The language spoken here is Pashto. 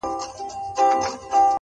وایې خدای دې کړي خراب چي هرچا وړﺉ،